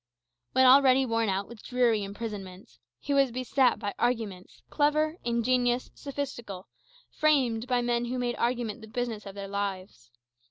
When already worn out with dreary imprisonment, he was beset by arguments, clever, ingenious, sophistical, framed by men who made argument the business of their lives.